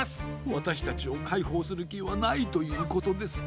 わたしたちをかいほうするきはないということですか？